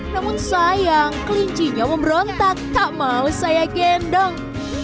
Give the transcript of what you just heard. namun sayang kelincinya memberontak tak mau saya gendong